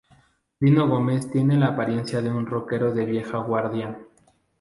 Dino González tiene la apariencia de un rockero de vieja guardia.